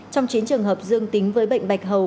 trong chín trường hợp dương tính với bệnh bạch hầu